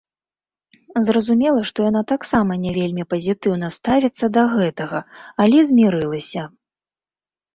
Зразумела, што яна таксама не вельмі пазітыўна ставіцца да гэтага, але змірылася.